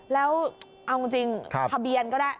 แล้วเอาจริงทะเบียนก็ได้